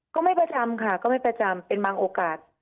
ก็ไม่ประจำค่ะก็ไม่ประจำเป็นบางโอกาส